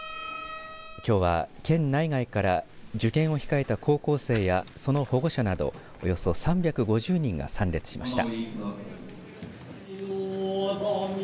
きょうは県内外から受験を控えた高校生やその保護者などおよそ３５０人が参列しました。